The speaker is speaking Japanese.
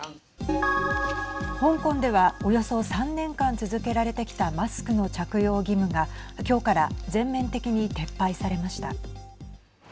香港ではおよそ３年間続けられてきたマスクの着用義務が今日から全面的に撤廃されました。